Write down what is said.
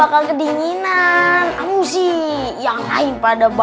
kaluh itu damals ya thank god